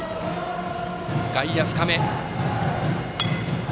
外野深め。